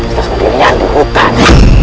seseorang di hutan